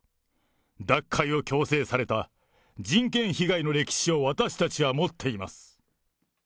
脱会を強制された人権被害の歴史を私たちは持っています。